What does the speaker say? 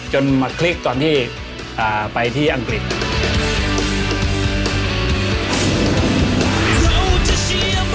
จนมาคลิกตอนที่ไปที่อังกฤษ